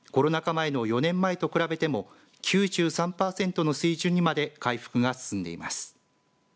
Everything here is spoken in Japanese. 前の４年前と比べても９３パーセントの水準にまで回復が進んでいます。